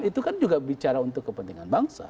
itu kan juga bicara untuk kepentingan bangsa